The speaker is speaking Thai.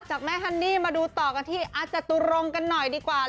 จากแม่ฮันนี่มาดูต่อกันที่อาจตุรงค์กันหน่อยดีกว่า